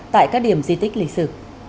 tại các điểm di tích lịch sử